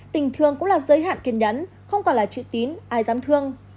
tình thương cũng là giới hạn kiên nhẫn không còn là chữ tín ai dám thương